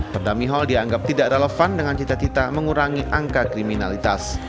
perdami hall dianggap tidak relevan dengan cita cita mengurangi angka kriminalitas